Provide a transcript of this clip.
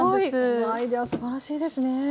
そのアイデアすばらしいですね。